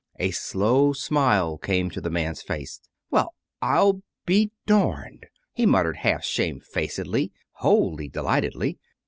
A slow smile came to the man's face. "Well, I'll be darned," he muttered half shamefacedly, wholly delightedly.